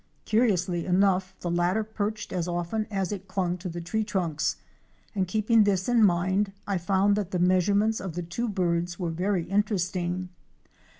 Curiously enough, the latter perched as often as it clung to the tree trunks, and keeping this in mind I found that the measurements of the two birds were very interesting.